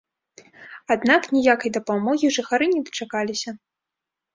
Аднак ніякай дапамогі жыхары на дачакаліся.